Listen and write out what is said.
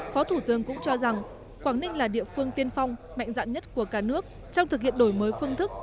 phó thủ tướng cũng cho rằng quảng ninh là địa phương tiên phong mạnh dạng nhất của cả nước trong thực hiện đổi mới phương thức